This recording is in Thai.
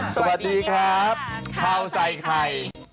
สวัสดีครับข้าวใส่ไข่